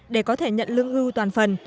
để có thể nhận lương hưu toàn phần